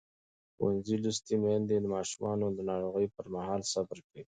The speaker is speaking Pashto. ښوونځې لوستې میندې د ماشومانو د ناروغۍ پر مهال صبر کوي.